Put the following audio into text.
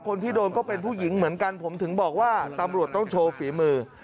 คนที่โดนก็เป็นผู้หญิงเหมือนกันผมถึงบอกว่าตำรวจต้องโชว์ฝีมือ